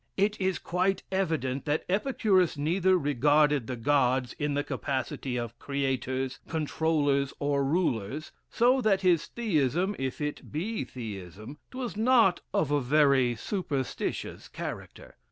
It is quite evident that Epicurus neither regarded "the gods" in the capacity of Creators, controllers, or rulers, so that his Theism (if it be Theism) twas not of a very superstitious character.